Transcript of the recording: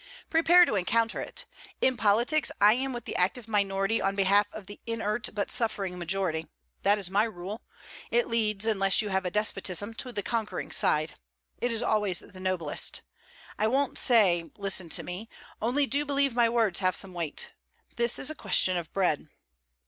'Prepare to encounter it. In politics I am with the active minority on behalf of the inert but suffering majority. That is my rule. It leads, unless you have a despotism, to the conquering side. It is always the noblest. I won't say, listen to me; only do believe my words have some weight. This is a question of bread.'